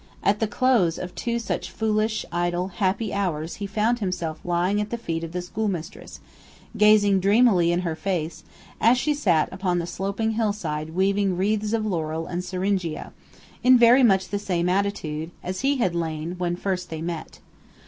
At the close of two such foolish, idle, happy hours he found himself lying at the feet of the schoolmistress, gazing dreamily in her face, as she sat upon the sloping hillside weaving wreaths of laurel and syringa, in very much the same attitude as he had lain when first they met.